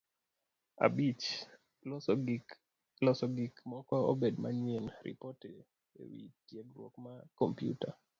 Abich; Loso gik moko obed manyien. Ripot e wi tiegruok mar kompyuta